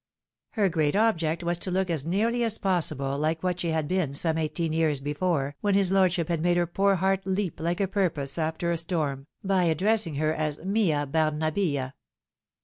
Her great object was to look as nearly as possible like what she had been some eighteen years before, when his lordship had made her poor heart leap like a porpoise after a storm, by addressing her as " Mia Barnabhia!"